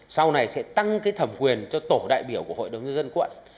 sau này sẽ tăng cái thẩm quyền cho tổ đại biểu của hội đồng nhân dân quận